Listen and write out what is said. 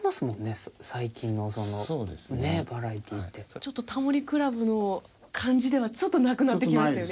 ちょっと『タモリ倶楽部』の感じではちょっとなくなってきましたよね。